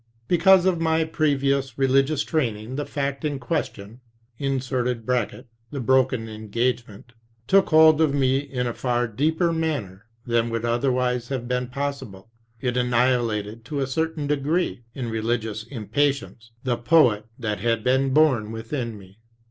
Because of my previous religious training the fact in question [the broken engagement] took hold of me in a far deeper manner than would otherwise have been possible; it annihilated, to a certain degree, in religious im patience, the 'poet' that had been born within me.